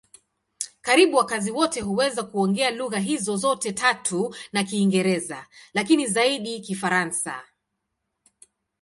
Karibu wakazi wote huweza kuongea lugha hizo zote tatu na Kiingereza, lakini zaidi Kifaransa.